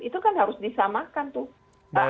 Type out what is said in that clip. itu kan harus disamakan tuh